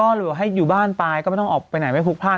หรือว่าให้อยู่บ้านไปก็ไม่ต้องออกไปไหนไม่พลุกพลาด